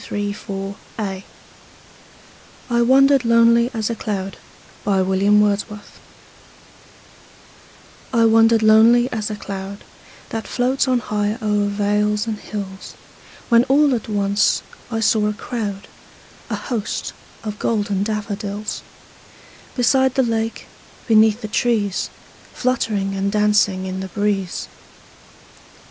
William Wordsworth I Wandered Lonely As a Cloud I WANDERED lonely as a cloud That floats on high o'er vales and hills, When all at once I saw a crowd, A host, of golden daffodils; Beside the lake, beneath the trees, Fluttering and dancing in the breeze.